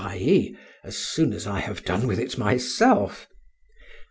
e., as soon as I have done with it myself.